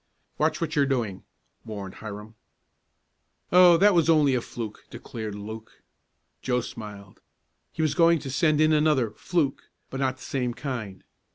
"Watch what you're doing," warned Hiram. "Oh, that was only a fluke," declared Luke. Joe smiled. He was going to send in another "fluke," but not the same kind.